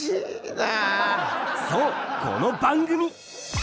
そう、この番組。